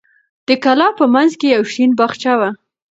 د کلا په منځ کې یو شین باغچه وه.